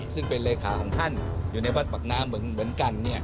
ซึ่งเป็นเลขาของท่านอยู่ในวัดปากน้ำเหมือนกัน